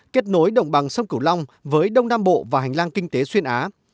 kết nối đồng bằng sông cửu long với đông nam bộ và hành lang kinh tế xuyên á